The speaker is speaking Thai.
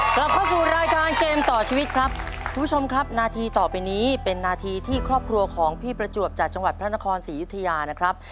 กลับเข้าสู่รายการเกมต่อชีวิตครับคุณผู้ชมครับนาทีต่อไปนี้เป็นนาทีที่ครอบครัวของพี่ประจวบจากจังหวัดพระนครศรียุธยานะครับ